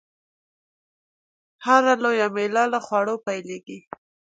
هره لويه میله له خوړو پیلېږي.